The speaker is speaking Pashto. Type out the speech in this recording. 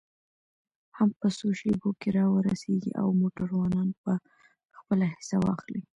هم په څو شیبو کې را ورسېږي او موټروانان به خپله حصه واخلي.